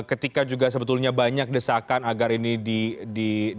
ketika juga sebetulnya banyak desakan agar ini di